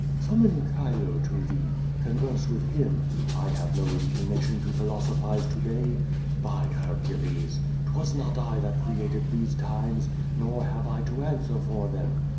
"Summon Chilo to thee. Converse with him. I have no inclination to ])hi1osophize to day. By Hercules! 'Twas not I that creati'<l these times, nor have I to answer for them.